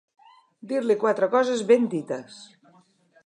Dir-li quatre coses ben dites.